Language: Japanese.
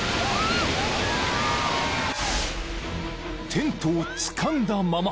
［テントをつかんだまま］